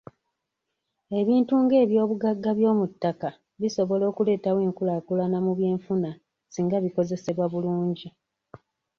Ebintu nga eby'obugagga by'omuttaka bisobola okuleetawo enkulaakulana mu by'enfuna singa bikozesebwa bulungi.